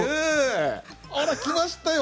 あら来ましたよ